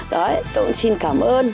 tôi cũng xin cảm ơn